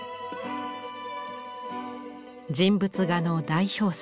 人物画の代表作。